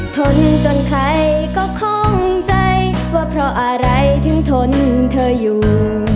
ทนจนใครก็คล่องใจว่าเพราะอะไรถึงทนเธออยู่